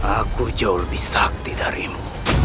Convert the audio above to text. aku jauh lebih sakti darimu